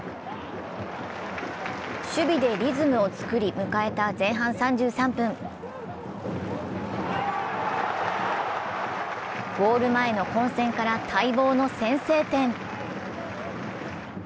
守備でリズムを作り迎えた前半３３分ゴール前の混戦から待望の先制点。